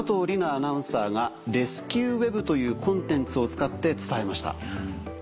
アナウンサーが「レスキューＷｅｂ」というコンテンツを使って伝えました。